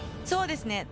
そうですね。